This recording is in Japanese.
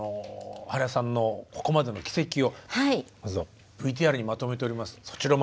原さんのここまでの軌跡をまずはＶＴＲにまとめておりますのでそちら